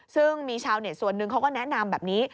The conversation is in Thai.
ซึ่งมีชาวเน็ตส่วนหนึ่งเขาก็แนะนำแบบนี้